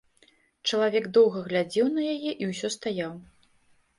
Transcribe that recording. Чалавек доўга глядзеў на яе і ўсё стаяў.